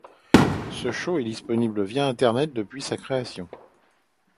Ce show est disponible via internet depuis sa création.